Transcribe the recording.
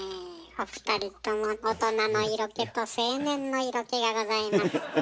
お二人とも大人の色気と青年の色気がございます。